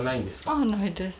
ああないです。